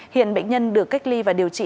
hiện bệnh nhân được cách ly và điều trị